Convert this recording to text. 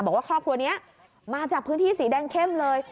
บอกว่าครอบครัวนี้มาจากพื้นที่สีแดงเข้มเลย